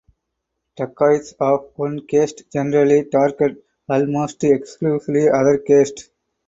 Dacoits of one caste generally target almost exclusively other castes.